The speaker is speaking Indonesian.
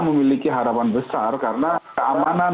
memiliki harapan besar karena keamanan